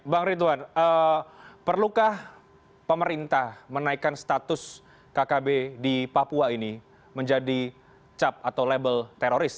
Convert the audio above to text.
bang ridwan perlukah pemerintah menaikkan status kkb di papua ini menjadi cap atau label teroris